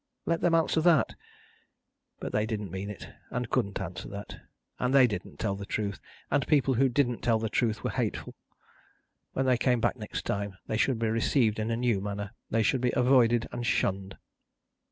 Let them answer that. But they didn't mean it, and couldn't answer that, and they didn't tell the truth, and people who didn't tell the truth were hateful. When they came back next time, they should be received in a new manner; they should be avoided and shunned.